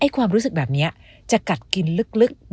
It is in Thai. ความรู้สึกแบบนี้จะกัดกินลึก